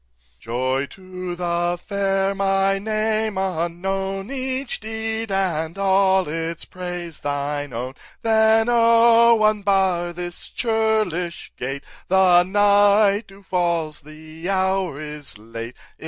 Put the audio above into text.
5. "Joy to the fair!—my name unknown, Each deed, and all its praise thine own Then, oh! unbar this churlish gate, The night dew falls, the hour is late.